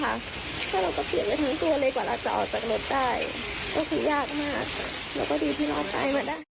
ถ้าเราก็เปลี่ยนไว้ทั้งตัวเล็กกว่าเราจะออกจากรถได้ก็คือยากมากเราก็ดีที่รอดตายมาได้